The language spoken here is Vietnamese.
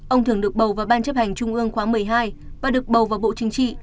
ông thường được bầu vào ban chấp hành trung ương khóa một mươi hai và được bầu vào bộ chính trị